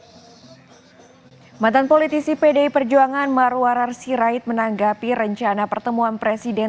hai mantan politisi pdi perjuangan marwar arsirait menanggapi rencana pertemuan presiden